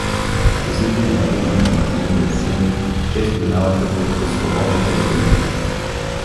Козите на Марина, Мартиновия син, често минаваха над Постоловите воденици.